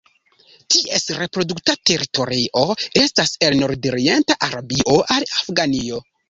Ties reprodukta teritorio estas el nordorienta Arabio al Afganio.